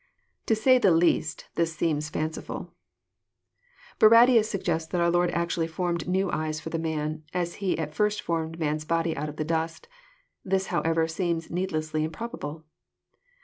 To say the least, this seems fancifuL Barradius suggests that our Lord actually formed new eyes for the man, as He at first formed man's body out of the dust. This, however, seems needlessly improbable.